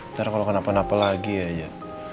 ntar kalau kenapa napa lagi aja